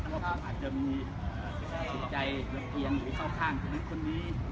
ถ้าคุณมีถูกใจในเพียรอยเข้าข้างคุณคนนี้